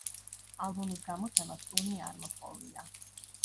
ალბომის გამოცემას ტურნე არ მოჰყოლია.